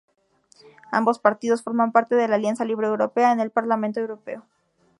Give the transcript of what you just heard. Ambos partidos forman parte de la Alianza Libre Europea en el Parlamento Europeo.